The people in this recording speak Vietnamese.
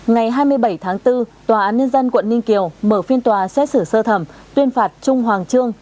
ngày hai mươi bảy tháng bốn tòa án nhân dân quận ninh kiều mở phiên tòa xét xử sơ thẩm tuyên phạt trung hoàng trương